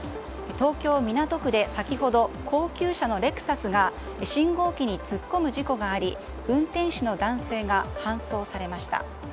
東京・港区で先ほど高級車のレクサスが信号機に突っ込む事故があり運転手の男性が搬送されました。